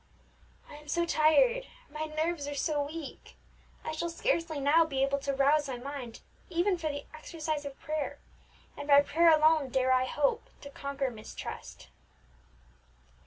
I am so tired my nerves are so weak! I shall scarcely now be able to rouse my mind even for the exercise of prayer, and by prayer alone dare I hope to conquer mistrust."